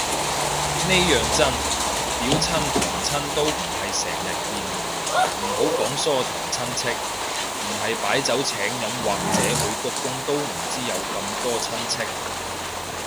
呢樣真，表親堂親都唔係成日見，唔好講疏堂親戚，唔係擺酒請飲或者去鞠躬都唔知有咁多親戚